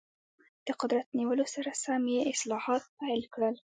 د قدرت نیولو سره سم یې اصلاحات پیل کړل.